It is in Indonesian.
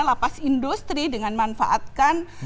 lapas industri dengan manfaatkan